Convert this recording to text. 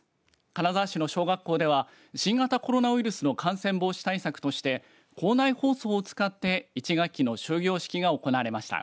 金沢市の小学校では新型コロナウイルスの感染防止対策として校内放送を使って１学期の終業式が行われました。